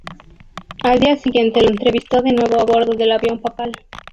Al día siguiente lo entrevistó de nuevo a bordo del avión Papal.